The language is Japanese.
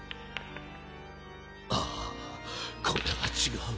あぁこれは違う。